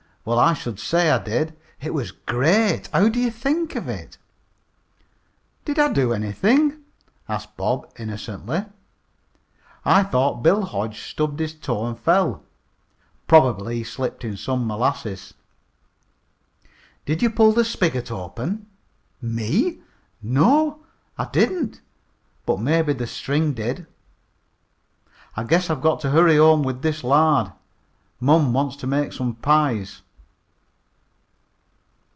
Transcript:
"Well, I should say I did. It was great. How'd ye think of it?" "Did I do anything?" asked Bob innocently. "I thought Bill Hodge stubbed his toe and fell. Probably he slipped in some molasses." "Did you pull the spigot open?" "Me? No, I didn't, but maybe the string did. I guess I've got to hurry home with this lard. Mom wants to make some pies."